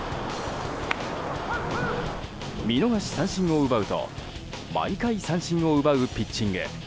見逃し三振を奪うと毎回三振を奪うピッチング。